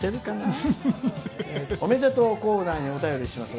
おめでとうコーナーにお便りします。